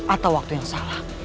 atau waktu yang salah